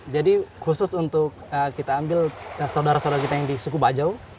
jadi khusus untuk kita ambil saudara saudara kita yang di suku bajau